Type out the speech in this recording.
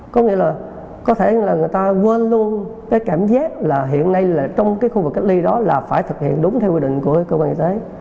có nghĩa là có thể là người ta quên luôn cái cảm giác là hiện nay là trong cái khu vực cách ly đó là phải thực hiện đúng theo quy định của cơ quan y tế